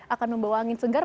akan membawa angin segar